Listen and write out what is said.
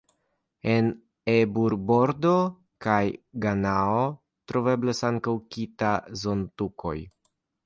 En Ebur-Bordo kaj Ganao troveblas ankaŭ "kita"-zontukoj.